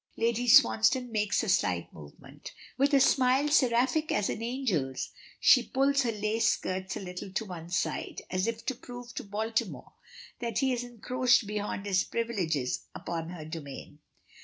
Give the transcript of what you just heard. Lady Swansdown makes a slight movement. With a smile seraphic as an angel's, she pulls her lace skirts a little to one side, as if to prove to Baltimore that he has encroached beyond his privileges upon her domain.